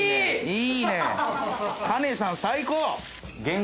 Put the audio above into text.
いいね金さん最高！